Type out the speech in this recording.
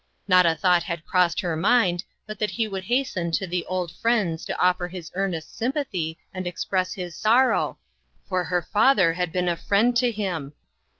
Not a thought hud crossed her mind but that he would hasten to the old friends to offer his earnest sym pathy and express his sorrow, for her father had been a friend to him.